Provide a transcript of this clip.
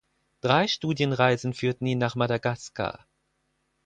Drei Studienreisen führten ihn nach Madagaskar.